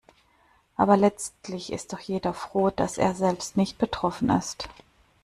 Aber letztlich ist doch jeder froh, dass er selbst nicht betroffen ist.